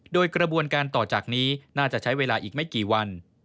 โดยกระบวนการต่อจากนี้น่าจะใช้เวลาอีกไม่กี่วัน